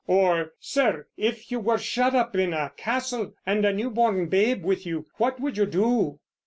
or, "Sir, if you were shut up in a castle and a newborn babe with you, what would you do?"